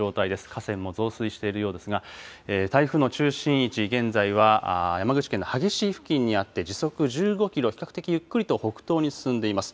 河川も増水しているようですが、台風の中心位置、現在は山口県の萩市付近にあって、時速１５キロ、比較的ゆっくりと北東に進んでいます。